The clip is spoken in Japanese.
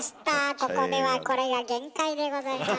ここではこれが限界でございます。